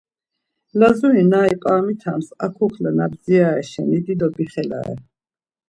Lazuri na iç̌aramitams ar kukla na bdzirare şeni dido bixelare.